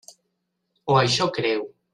O això creu.